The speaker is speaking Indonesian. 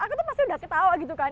aku tuh pasti udah ketawa gitu kan